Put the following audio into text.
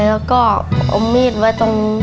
แล้วก็เอามีดไว้ตรงนี้